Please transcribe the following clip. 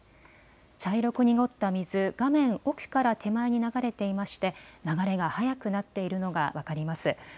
茶色く濁った水、画面奥から手前に流れていまして流れが速くなっているのが分かります。